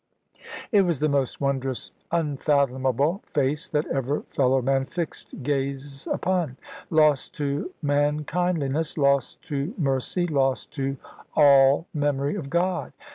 It was the most wondrous unfathomable face that ever fellow man fixed gaze upon; lost to mankindliness, lost to mercy, lost to all memory of God.